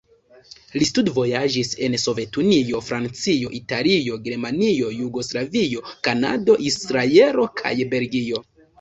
Li studvojaĝis en Sovetunio, Francio, Italio, Germanio, Jugoslavio, Kanado, Izraelo kaj Belgio.